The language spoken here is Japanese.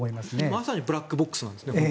まさにブラックボックスなんですね。